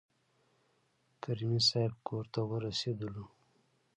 کریمي صیب کورته ورسېدلو.